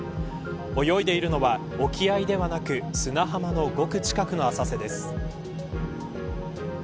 泳いでいるのは沖合ではなく砂浜のごく近くの浅瀬です。